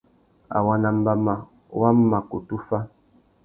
Awa nà mbama wa mà kutu fá.